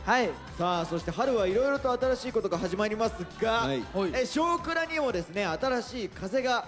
さあそして春はいろいろと新しいことが始まりますが「少クラ」にもですね新しい風が吹いてきました。